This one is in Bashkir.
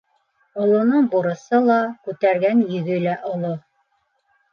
Олоноң бурысы ла, күтәргән йөгө лә оло.